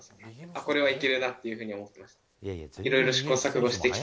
これはいけるなというふうに思ってました。